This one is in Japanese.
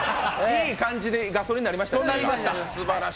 いい感じでガソリンになりましたね。